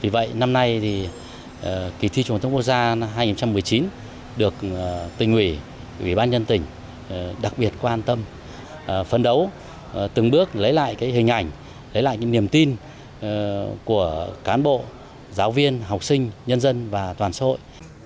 vậy năm nay thì kỳ thi trung học phổ thông quốc gia năm hai nghìn một mươi chín được tỉnh ủy ủy ban nhân tỉnh đặc biệt quan tâm phấn đấu từng bước lấy lại hình ảnh lấy lại niềm tin của cán bộ giáo viên học sinh nhân dân và toàn xã hội